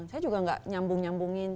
saya juga nggak nyambung nyambungin